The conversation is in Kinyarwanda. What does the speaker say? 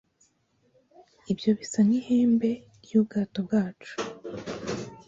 Ibyo bisa nkihembe ryubwato bwacu